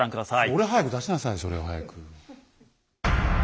それを早く出しなさいそれを早く。